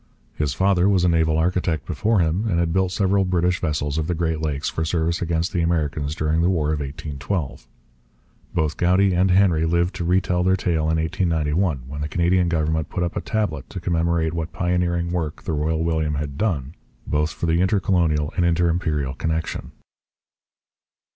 His father was a naval architect before him and had built several British vessels on the Great Lakes for service against the Americans during the War of 1812. Both Goudie and Henry lived to retell their tale in 1891, when the Canadian government put up a tablet to commemorate what pioneering work the Royal William had done, both for the inter colonial and inter imperial connection.